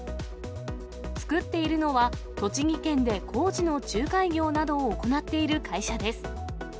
作っているのは、栃木県で工事の仲介業などを行っている会社です。